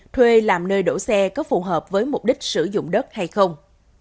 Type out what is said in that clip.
thuê làm nơi đổ xe có phù hợp với mục đích sử dụng đất hay không